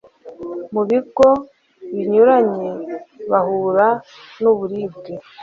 mu bigo binyuranye bahura nuburibwe